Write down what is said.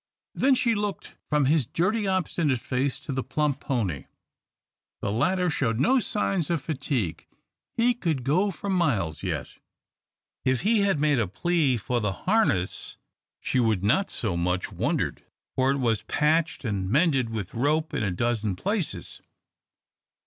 Then she looked from his dirty, obstinate face to the plump pony. The latter showed no signs of fatigue. He could go for miles yet. If he had made a plea for the harness, she would not have so much wondered, for it was patched and mended with rope in a dozen places.